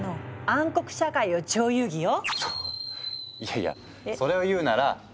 そいやいやそれを言うならそっか！